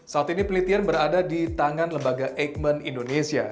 saat ini pelitian berada di tangan lembaga eijkman indonesia